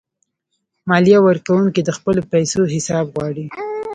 مالیه ورکونکي د خپلو پیسو حساب غواړي.